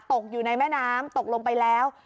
ตกอยู่ในแม่น้ำตกลงไปแล้ว